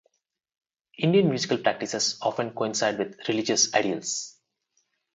Indian musical practices often coincide with religious ideals.